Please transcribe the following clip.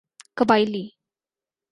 قبائلی